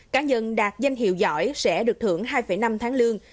cá nhân đạt danh hiệu giỏi sẽ được thưởng hai năm tháng lương